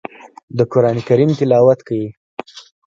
د قران کریم تلاوت کوي.